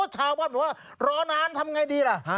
เชาว์ว่าเหรอนานทำไงดีล่ะ